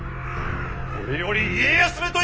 これより家康めと戦じゃ！